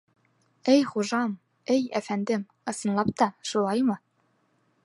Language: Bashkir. — Эй хужам, эй әфәндем, ысынлап та шулаймы?